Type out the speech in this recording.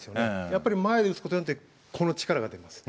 やっぱり前で打つことによってこの力が出ます。